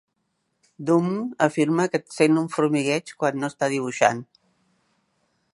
Dumm afirma que sent un formigueig quan no està dibuixant.